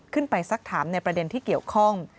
สักถามในประเด็นที่เกี่ยวข้อง